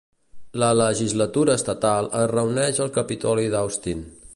La legislatura estatal es reuneix al Capitoli d'Austin.